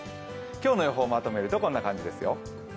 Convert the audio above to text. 今日の予報をまとめるとこんな感じですよ。